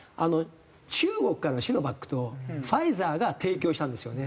中国からシノバックとファイザーが提供したんですよね。